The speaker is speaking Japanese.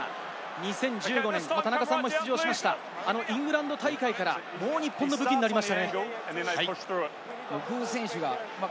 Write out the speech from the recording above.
２０１５年、田中さんも出場したイングランド大会からもう日本の武器になりましたね。